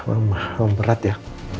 emang berat ya